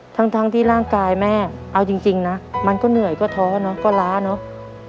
ทั้งที่ร่างกายแม่เอาจริงนะมันก็เหนื่อยก็ท้อเนอะก็ล้าเนอะ